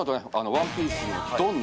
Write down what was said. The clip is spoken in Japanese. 「ワンピース」の「ドン！」